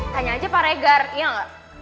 tanya aja pak regar iya ga